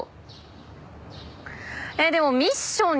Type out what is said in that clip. でも。